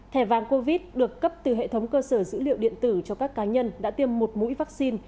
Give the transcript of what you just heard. thẻ vàng covid được cấp từ hệ thống cơ sở dữ liệu điện tử cho các cá nhân đã tiêm một mũi vaccine